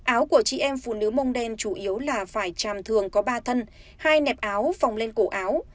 áo của chị em phụ nữ mông đen chủ yếu là vải tràm thường có ba thân hai nẹp áo phòng lên cổ áo